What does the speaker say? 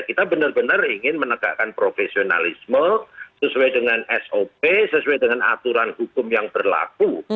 kita benar benar ingin menegakkan profesionalisme sesuai dengan sop sesuai dengan aturan hukum yang berlaku